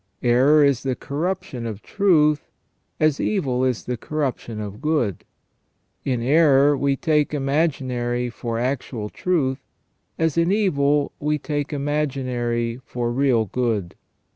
Error is the corruption of truth as evil is the corruption of good j in error we take imaginary for actual truth, as in evil we take imaginary for real good.